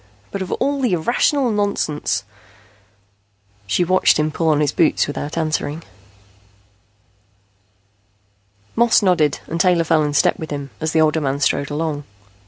But of all the irrational nonsense " She watched him put on his boots without answering. Moss nodded and Taylor fell in step with him, as the older man strode along.